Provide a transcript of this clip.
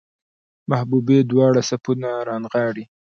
محبوبې دواړه صفتونه رانغاړي